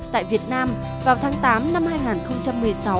tại việt nam vào tháng tám năm hai nghìn một mươi sáu